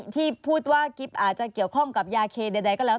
ที่พูดว่ากิ๊บอาจจะเกี่ยวข้องกับยาเคใดก็แล้ว